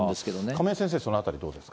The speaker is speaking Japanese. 亀井先生、そのあたりどうですか。